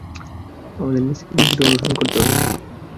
আমাদের নিচ থেকে নদীটা অনুসরণ করতে হবে।